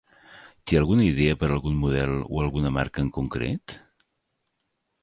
Té alguna idea per algun model o alguna marca en concret?